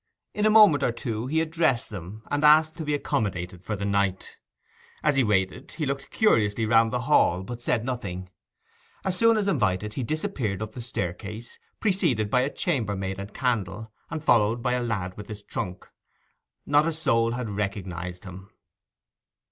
In a moment or two he addressed them, and asked to be accommodated for the night. As he waited he looked curiously round the hall, but said nothing. As soon as invited he disappeared up the staircase, preceded by a chambermaid and candle, and followed by a lad with his trunk. Not a soul had recognized him.